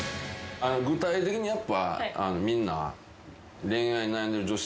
具体的にやっぱみんな。